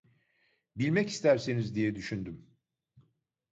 Bilmek istersiniz diye düşündüm.